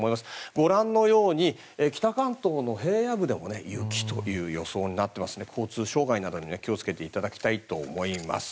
ご覧のように北関東の平野部でも雪という予想になっていますので交通障害などに気を付けていただきたいと思います。